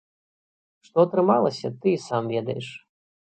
Што атрымалася, ты і сам ведаеш.